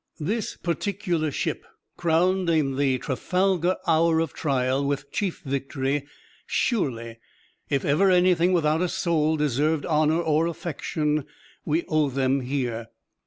This particular ship, crowned in the Trafalgar hour of trial with chief victory surely, if ever anything without a soul deserved honor or affection we owe them here.